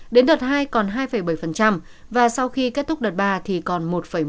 đến đợt hai còn hai bảy và sau khi kết thúc đợt ba thì còn một một